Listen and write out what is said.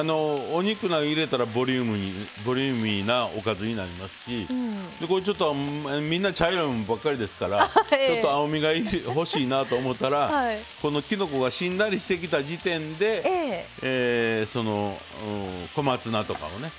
お肉など入れたらボリューミーなおかずになりますしこれちょっとみんな茶色いもんばっかりですからちょっと青みが欲しいなと思ったらきのこがしんなりしてきた時点で小松菜とかをね